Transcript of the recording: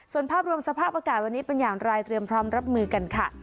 ส่วนภาพรวมสภาพอากาศวันนี้เป็นอย่างไรเตรียมพร้อมรับมือกันค่ะ